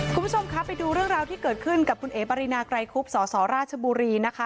คุณผู้ชมคะไปดูเรื่องราวที่เกิดขึ้นกับคุณเอ๋ปรินาไกรคุบสสราชบุรีนะคะ